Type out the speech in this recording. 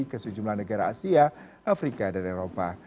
ke sejumlah negara asia afrika dan eropa